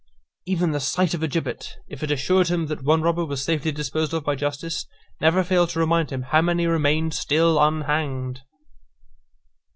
Even the sight of a gibbet, if it assured him that one robber was safely disposed of by justice, never failed to remind him how many remained still unhanged.